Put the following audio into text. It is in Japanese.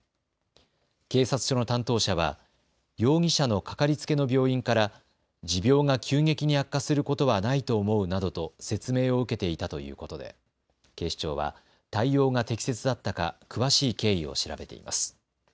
警察署の担当者は容疑者のかかりつけの病院から持病が急激に悪化することはないと思うなどと説明を受けていたということで警視庁は対応が適切だったか詳しい経緯を調べています。